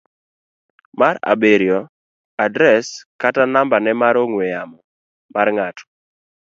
mar abiriyo. Adres kata nambane mar ong'we yamo mar ng'at